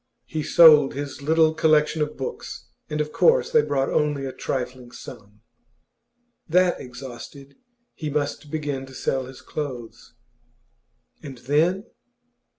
He sold his little collection of books, and of course they brought only a trifling sum. That exhausted, he must begin to sell his clothes. And then